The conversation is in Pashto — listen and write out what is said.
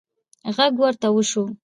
غږ ورته وشو: